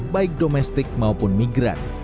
baik domestik maupun migran